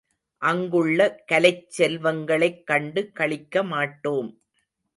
அங்குள்ள கலைச் செல்வங்களைக் கண்டு களிக்கமாட்டோம்.